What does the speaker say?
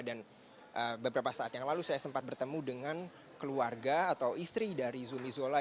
dan beberapa saat yang lalu saya sempat bertemu dengan keluarga atau istri dari zumi zola